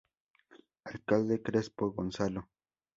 Alcalde Crespo, Gonzalo.